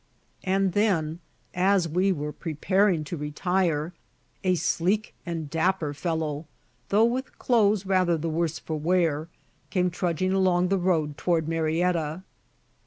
And then, as we were preparing to retire, a sleek and dapper fellow, though with clothes rather the worse for wear, came trudging along the road toward Marietta.